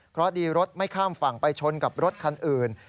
เพราะดีรถไม่ข้ามฝั่งไปชนกับรถคันอื่น